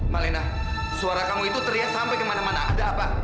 malena suara kamu itu teriak sampai kemana mana ada apa